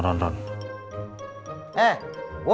ya udah be